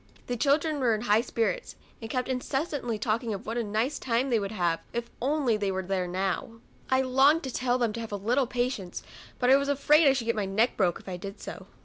The children were in high spirits, and kept incessantly talking of what a nice time they would have if they were only there now. I longed to tell them to have a little patience, but I was afraid I should get my neck broke if I did so.